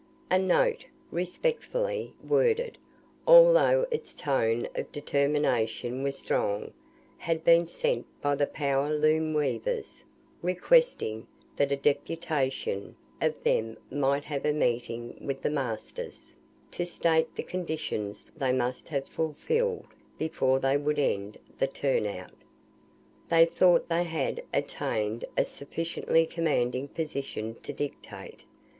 A note, respectfully worded, although its tone of determination was strong, had been sent from the power loom weavers, requesting that a "deputation" of them might have a meeting with the masters, to state the conditions they must have fulfilled before they would end the turn out. They thought they had attained a sufficiently commanding position to dictate.